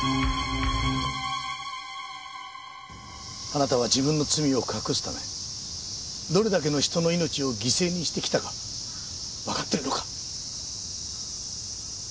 あなたは自分の罪を隠すためどれだけの人の命を犠牲にしてきたかわかってるのか？